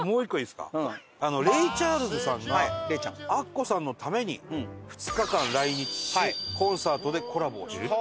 レイ・チャールズさんがアッコさんのために２日間来日しコンサートでコラボ。